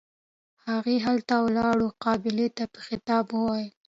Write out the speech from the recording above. هغې هلته ولاړې قابلې ته په خطاب وويل.